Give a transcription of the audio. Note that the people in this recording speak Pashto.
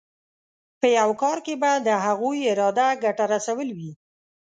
په یو کار کې به د هغوی اراده ګټه رسول وي.